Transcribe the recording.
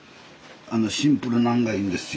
シンプルなんがいいんですよ。